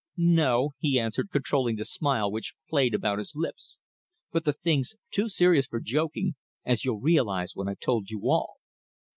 "No," he answered, controlling the smile which played about his lips. "But the thing's too serious for joking, as you'll recognise when I've told you all.